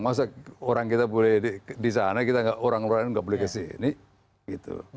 masa orang kita boleh di sana kita orang orang nggak boleh kesini gitu